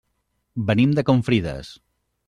Venim de Confrides.